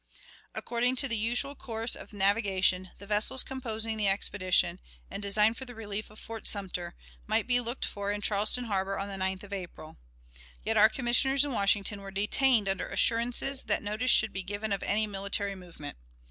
"According to the usual course of navigation, the vessels composing the expedition, and designed for the relief of Fort Sumter, might be looked for in Charleston Harbor on the 9th of April. Yet our Commissioners in Washington were detained under assurances that notice should be given of any military movement.